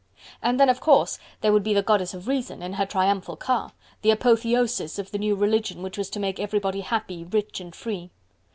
And then, of course, there would be the Goddess of Reason, in her triumphal car! the apotheosis of the new religion, which was to make everybody happy, rich and free.